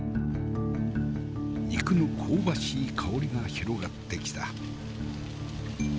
肉の香ばしい香りが広がってきた。